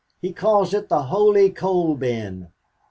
He calls it the Holy Coal Bin.